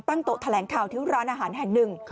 โต๊ะแถลงข่าวที่ร้านอาหารแห่งหนึ่ง